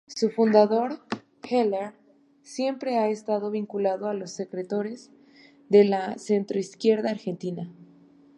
Su fundador, Heller siempre ha estado vinculado a los sectores de la centroizquierda Argentina.